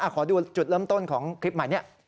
ขอดูจุดเริ่มต้นของคลิปใหม่นี้